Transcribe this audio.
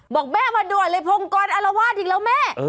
บอกแม่มาด่วนเลยพงกรอรวาสอีกแล้วแม่